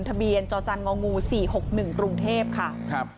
ทะเบียนจจง๔๖๑กรุงเทพฯค่ะ